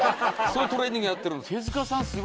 そういうトレーニングやってるんです。